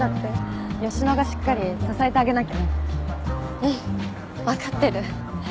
うん分かってる